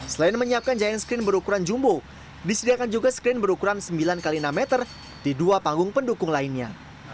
selain menyiapkan giant screen berukuran jumbo disediakan juga screen berukuran sembilan x enam meter di dua panggung pendukung lainnya